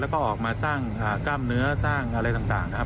แล้วก็ออกมาสร้างกล้ามเนื้อสร้างอะไรต่างนะครับ